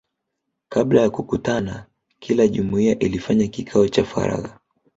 Kabla ya kukutana kila jumuiya ilifanya kikao cha faragha